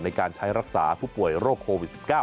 ในการใช้รักษาผู้ป่วยโรคโควิด๑๙